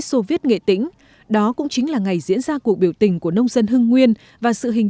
soviet nghệ tĩnh đó cũng chính là ngày diễn ra cuộc biểu tình của nông dân hưng nguyên và sự hình